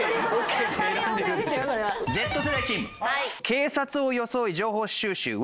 警察を装い情報収集は？